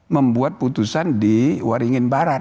membuat putusan di waringin barat